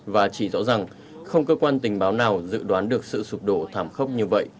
và chỉ rõ rằng không cơ quan tình báo nào dự đoán được sự sụp đổ thảm khốc như vậy